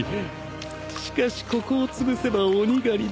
しかしここをつぶせば鬼狩りどもを。